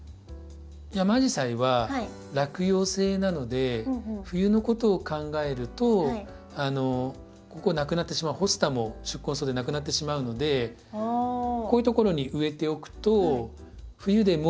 ヤマアジサイは落葉性なので冬のことを考えるとここなくなってしまうホスタも宿根草でなくなってしまうのでこういうところに植えておくと冬でも形が緑が残るので。